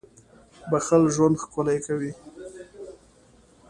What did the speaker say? • بښل ژوند ښکلی کوي.